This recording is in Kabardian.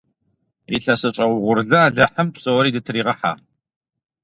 Илъэсыщӏэ угъурлы алыхьым псори дытыригъыхьэ!